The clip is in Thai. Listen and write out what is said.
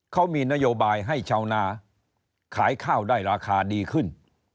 เขามีนโยบายให้ชาวนาขายข้าวได้ราคาดีขึ้น